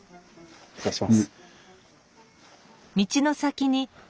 失礼します。